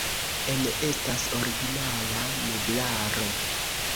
En estas originala meblaro.